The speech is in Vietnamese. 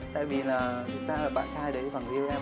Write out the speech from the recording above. tại vì là thực ra bạn trai đấy và người yêu em